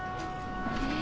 え。